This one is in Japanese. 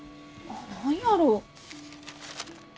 何やろう？